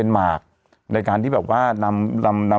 สวัสดีครับคุณผู้ชม